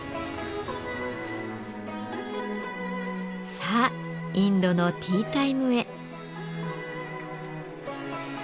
さあインドのティータイムへ。